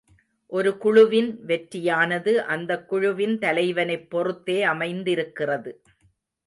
ஒரு குழுவின் வெற்றியானது அந்தக் குழுவின் தலைவனைப் பொறுத்தே அமைந்திருக்கிறது.